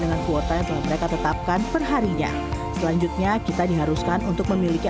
dengan kuota yang telah mereka tetapkan perharinya selanjutnya kita diharuskan untuk memiliki